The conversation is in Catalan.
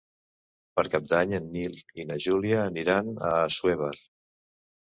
Per Cap d'Any en Nil i na Júlia aniran a Assuévar.